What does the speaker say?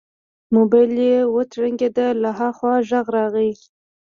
موبايل يې وترنګېد له ها خوا غږ راغی.